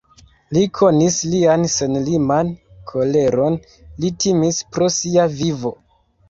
Li konis lian senliman koleron, li timis pro sia vivo.